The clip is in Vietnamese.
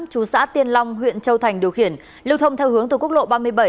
chú xã tiên long huyện châu thành điều khiển lưu thông theo hướng từ quốc lộ ba mươi bảy